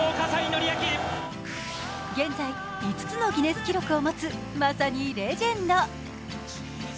現在５つのギネス記録を持つまさにレジェンド。